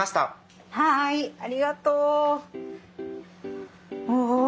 はいありがとう。お。